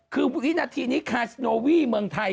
คือเรื่องของเรื่องเนี่ย